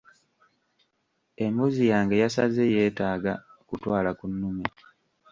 Embuzi yange yasaze yeetaaga kutwala ku nnume.